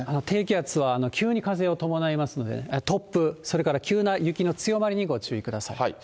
低気圧は急に風を伴いますのでね、突風、それから急な雪の強まりにご注意ください。